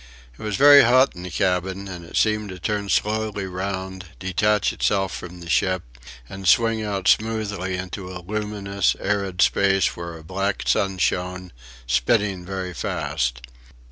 It was very hot in the cabin, and it seemed to turn slowly round, detach itself from the ship, and swing out smoothly into a luminous, arid space where a black sun shone, spinning very fast.